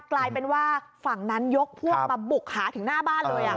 กลายเป็นว่าฝั่งนั้นยกพวกมาบุกหาถึงหน้าบ้านเลย